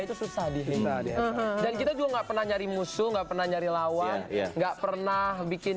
itu susah dihentikan dan kita juga nggak pernah nyari musuh nggak pernah nyari lawan enggak pernah bikin